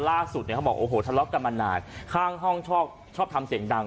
ล่าสุดเนี่ยเขาบอกโอ้โหทะเลาะกันมานานข้างห้องชอบชอบทำเสียงดัง